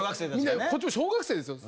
こっち小学生ですよ。